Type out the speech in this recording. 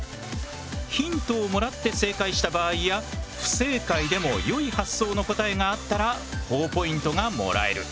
ヒントをもらって正解した場合や不正解でも良い発想の答えがあったらほぉポイントがもらえる。